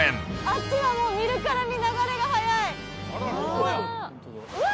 あっちはもう見るからに流れが速いうわ！